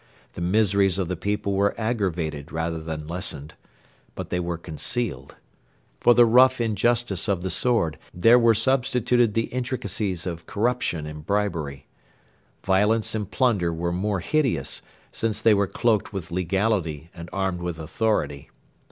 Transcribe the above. The miseries of the people were aggravated rather than lessened: but they were concealed. For the rough injustice of the sword there were substituted the intricacies of corruption and bribery. Violence and plunder were more hideous, since they were cloaked with legality and armed with authority.